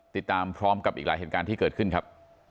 ติดตามพร้อมกับอีกหลายเหตุการณ์ที่เกิดขึ้นครับ